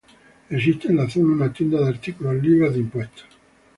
Existen en la zona una tienda de artículos libres de impuestos.